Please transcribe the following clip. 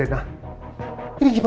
ia ngelayan mengenai teman